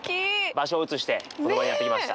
場所を移してこの場にやって来ました。